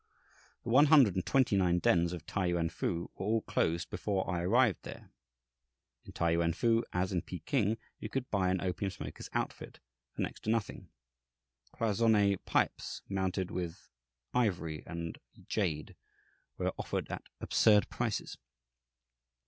The one hundred and twenty nine dens of T'ai Yuan fu were all closed before I arrived there. In T'ai Yuan fu, as in Peking, you could buy an opium smoker's outfit for next to nothing. Cloisonné pipes, mounted with ivory and jade, were offered at absurd prices.